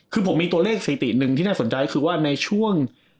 คือผมมีตัวเลขสถิติหนึ่งที่น่าสนใจก็คือว่าในช่วง